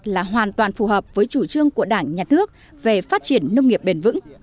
là hoàn toàn phù hợp với chủ trương của đảng nhà nước về phát triển nông nghiệp bền vững